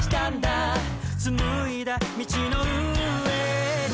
「紡いだ道の上に」